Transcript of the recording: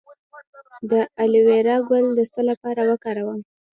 د الوویرا ګل د څه لپاره وکاروم؟